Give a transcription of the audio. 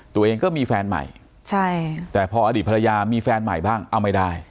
ตัวเองก็มีแฟนใหม่ใช่แต่พออดีตภรรยามีแฟนใหม่บ้างเอาไม่ได้